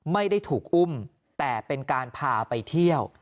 ไม่ได้ถูกอุ้มแต่เป็นการพาไปเที่ยว